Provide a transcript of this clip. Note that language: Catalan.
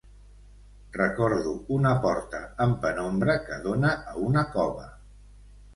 Recordo una porta en penombra que dóna a una cova.